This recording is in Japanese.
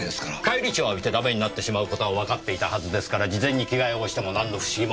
返り血を浴びてダメになってしまう事はわかっていたはずですから事前に着替えをしてもなんの不思議もありません。